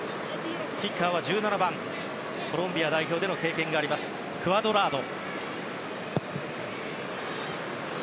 キッカーは１７番コロンビア代表での経験があるクアドラード。